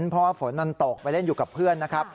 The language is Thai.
เพราะว่าฝนมันตกไปเล่นอยู่กับเพื่อนนะครับ